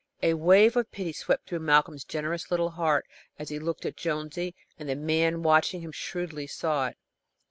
A wave of pity swept through Malcolm's generous little heart as he looked at Jonesy, and the man watching him shrewdly saw it.